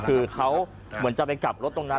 คือเขาเหมือนจะไปกลับรถตรงนั้น